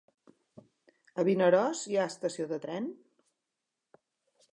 A Vinaròs hi ha estació de tren?